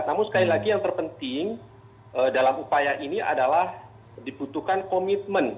namun sekali lagi yang terpenting dalam upaya ini adalah dibutuhkan komitmen